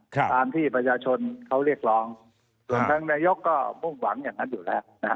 ตามที่ประชาชนเขาเรียกร้องส่วนทางนายกก็มุ่งหวังอย่างนั้นอยู่แล้วนะฮะ